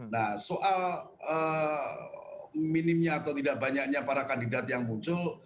nah soal minimnya atau tidak banyaknya para kandidat yang muncul